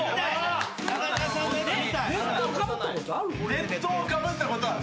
熱湯かぶったことある？